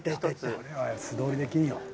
これは素通りできんよ。